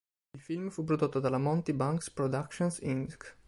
Il film fu prodotto dalla Monty Banks Productions Inc.